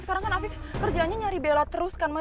sekarang kan afif kerjaannya nyari bella terus kan mak